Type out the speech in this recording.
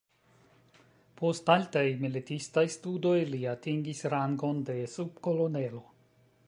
Post altaj militistaj studoj li atingis rangon de subkolonelo.